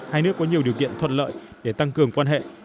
hai nước có nhiều điều kiện thuận lợi để tăng cường quan hệ